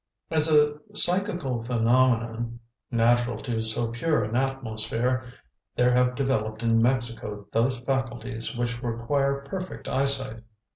As a psychical phenomenon, natural to so pure an atmosphere, there have developed in Mexico those faculties, which require perfect eyesight.